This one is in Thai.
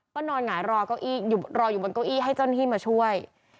ก็นอนหงายรออยู่บนเก้าอี้ให้เจ้าหน้าที่มาช่วย